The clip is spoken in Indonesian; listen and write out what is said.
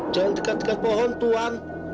jangan dekat dekat pohon tuan